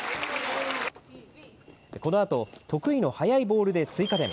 このあと、得意の速いボールで追加点。